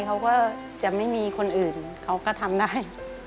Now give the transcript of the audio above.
เขาก็จะไม่มีคนอื่นเขาก็ทำได้